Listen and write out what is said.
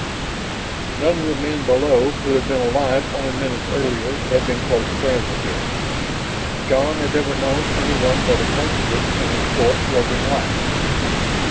None of the men below who had been alive only minutes earlier had been close friends of his; Shann had never known anyone but acquaintances in his short, roving life.